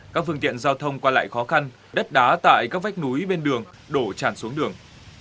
các phương tiện giao thông qua lại khó khăn đất đá tại các vách núi bên đường đổ tràn xuống đường